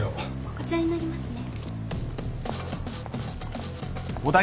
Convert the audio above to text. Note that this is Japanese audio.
こちらになりますね。